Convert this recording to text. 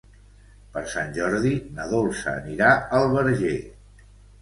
Per Sant Jordi na Dolça anirà al Verger.